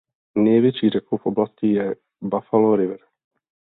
Největší řekou v oblasti je Buffalo River.